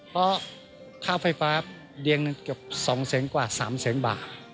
เพราะค่าไฟฟ้าเดียงนึงเกือบ๒เซนติกว่า๓เซนติบาท